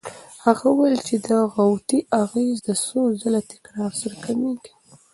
هغه وویل چې د غوطې اغېز د څو ځله تکرار سره کمېږي.